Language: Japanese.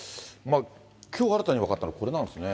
きょう、新たに分かったのはこれなんですね。